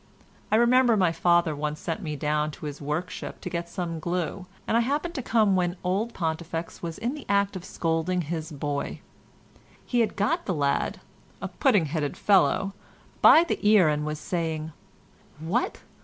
I remember my father once sent me down to his workship to get some glue, and I happened to come when old Pontifex was in the act of scolding his boy. He had got the lad—a pudding headed fellow—by the ear and was saying, "What?